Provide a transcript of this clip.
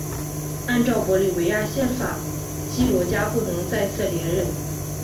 按照玻利维亚宪法基罗加不能再次连任。